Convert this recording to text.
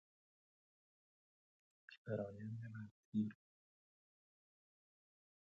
یک فرایند وقتگیر